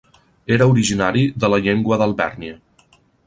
Era originari de la Llengua d'Alvèrnia.